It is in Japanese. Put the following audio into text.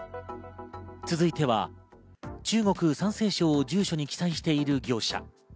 続いては、中国・山西省を住所に記載している業者。